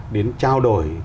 đến trao đổi